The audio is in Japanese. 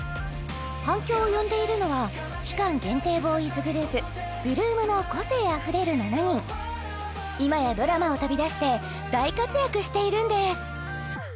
反響を呼んでいるのは期間限定ボーイズグループ８ＬＯＯＭの個性あふれる７人今やドラマを飛び出して大活躍しているんです